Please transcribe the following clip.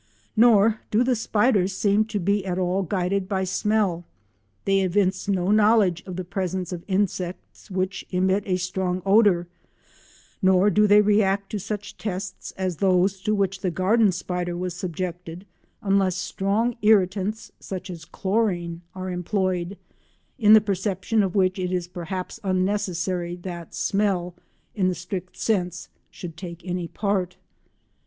Nor do the spiders seem to be at all guided by smell; they evince no knowledge of the presence of insects which emit a strong odour, nor do they react to such tests as those to which the garden spider was subjected unless strong irritants such as chlorine are employed, in the perception of which it is perhaps unnecessary that smell in the strict sense should take any part.